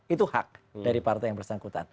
itu hak dari partai yang bersangkutan